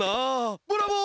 ブラボー！